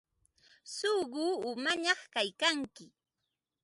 Suqu umañaq kaykanki.